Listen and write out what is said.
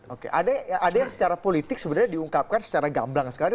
oke ada yang secara politik sebenarnya diungkapkan secara gamblang sekali